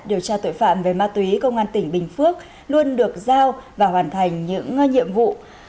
điều tra tội phạm về ma túy công an tỉnh bình phước luôn được giao và hoàn thành những nhiệm vụ